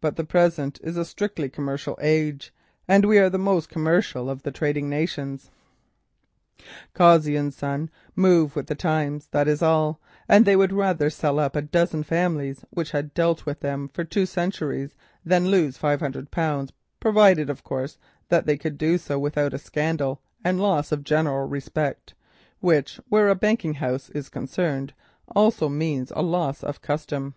But the present is a strictly commercial age, and we are the most commercial of the trading nations. Cossey and Son move with the times, that is all, and they would rather sell up a dozen families who had dealt with them for two centuries than lose five hundred pounds, provided, of course, that they could do so without scandal and loss of public respect, which, where a banking house is concerned, also means a loss of custom.